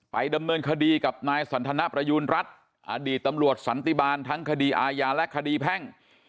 ดำเนินคดีกับนายสันทนประยูณรัฐอดีตตำรวจสันติบาลทั้งคดีอาญาและคดีแพ่ง